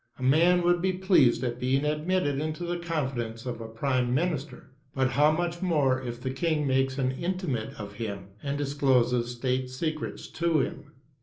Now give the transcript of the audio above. A man would be pleased at being admitted into the confidence of a prime minister, but how much more if the king makes an intimate of him and discloses state secrets to him!